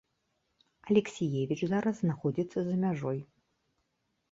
Алексіевіч зараз знаходзіцца за мяжой.